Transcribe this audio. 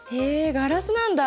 ガラスなんだ。